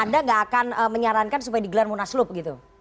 anda nggak akan menyarankan supaya digelar munaslup gitu